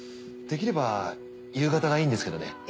できれば夕方がいいんですけどね。